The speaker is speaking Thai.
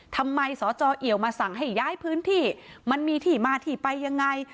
ทำไมสจเอี่ยวมาสั่งให้ย้ายพื้นที่มันมีที่มาที่ไปยังไง